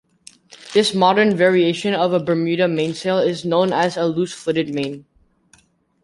This modern variation of a Bermuda mainsail is known as a "loose-footed main".